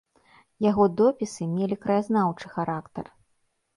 Яго допісы мелі краязнаўчы характар.